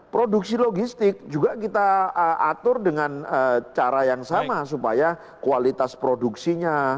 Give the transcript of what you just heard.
produksi logistik juga kita atur dengan cara yang sama supaya kualitas produksinya